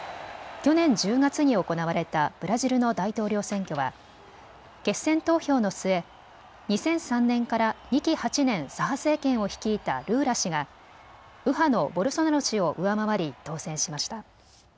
去年１０月に行われたブラジルの大統領選挙は決選投票の末２００３年から２期８年、左派政権を率いたルーラ氏が右派のボルソナロ氏を上回り当選しました。